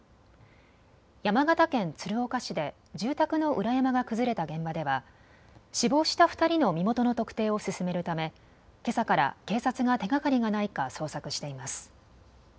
山形県鶴岡市で住宅の裏山が崩れた現場では死亡した２人の身元の特定を進めるためけさから警察が手がかりがないか捜索しています。